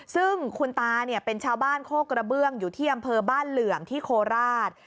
ซึ่งคุณตาเนี่ยเป็นชาวบ้านโคกระเบื้องอยู่ที่อำเภอบ้านเหลื่อมที่โคราช